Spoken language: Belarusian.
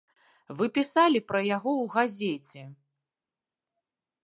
Вы пісалі пра яго ў газеце.